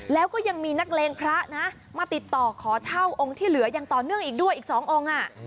แล้วก็ยังมีนักเลงพระนะมาติดต่อขอเช่าองค์ที่เหลือยังต่อเนื่องอีกด้วยอีก๒องค์